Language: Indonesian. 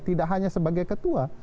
tidak hanya sebagai ketua